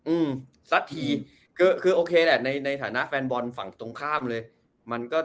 อืมสักทีคือโอเคแหละในในฐานะแฟนบอลฝั่งตรงข้ามเลยมันก็